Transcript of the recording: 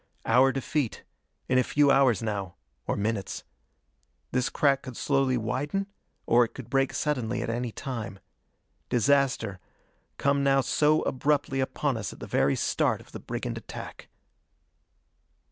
Our defeat. In a few hours now or minutes. This crack could slowly widen, or it could break suddenly at any time. Disaster, come now so abruptly upon us at the very start of the brigand attack....